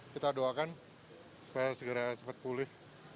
kita doakan supaya segera cepat pulih